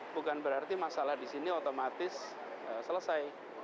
bukan berarti masalah di sini otomatis selesai